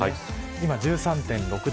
今１３．６度。